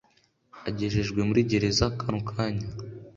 agejejwe muri gereza kano kanya